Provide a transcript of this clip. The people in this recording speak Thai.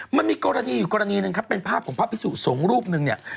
มันมีกรณีอยู่กรณีหนึ่งครับเป็นภาพของพระพิสุสงฆ์รูปหนึ่งเนี่ย